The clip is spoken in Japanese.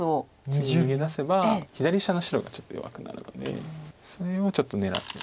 次逃げ出せば左下の白がちょっと弱くなるのでそれをちょっと狙ってます。